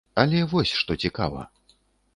Але вось што цікава.